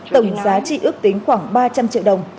tổng giá trị ước tính khoảng ba trăm linh triệu đồng